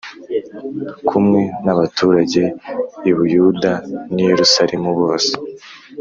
kumwe n abaturage i Buyuda n i Yerusalemu bose